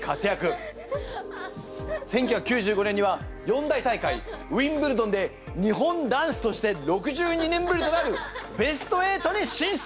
１９９５年には四大大会ウィンブルドンで日本男子として６２年ぶりとなるベスト８に進出！